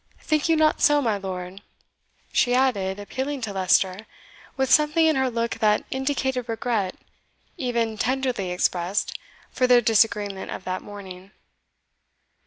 Think you not so, my lord?" she added, appealing to Leicester with something in her look that indicated regret, even tenderly expressed, for their disagreement of that morning.